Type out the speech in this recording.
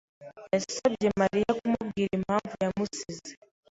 yasabye Mariya kumubwira impamvu yamusize.